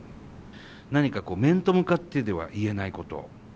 何か面と向かってでは言えないこと。